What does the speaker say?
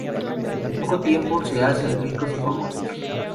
En poco tiempo, se hacen ricos y famosos.